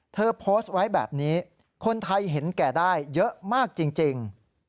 เธอโพสต์ไว้แบบนี้คนไทยเห็นแก่ได้เยอะมากจริง